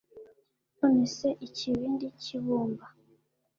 none se ikibindi cy'ibumba